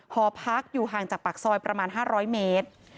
หอพักอยู่ห่างจากปากซอยประมาณ๕๐๐เมตร